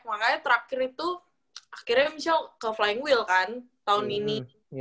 makanya terakhir itu akhirnya misalnya ke flying wheel kan tahun ini